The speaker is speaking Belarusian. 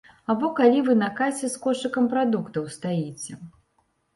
Або калі вы на касе з кошыкам прадуктаў стаіце.